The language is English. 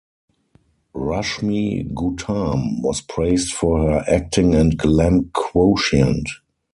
Rashmi Gautam was praised for her acting and glam quotient.